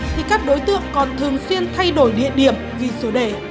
thì các đối tượng còn thường xuyên thay đổi địa điểm ghi số đề